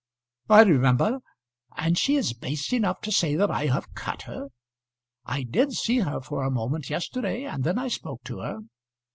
"I remember. And she is base enough to say that I have cut her? I did see her for a moment yesterday, and then I spoke to her."